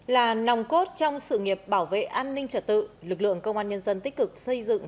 là nòng cốt trong sự nghiệp bảo vệ an ninh trật tự lực lượng công an nhân dân tích cực xây dựng